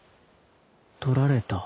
とられた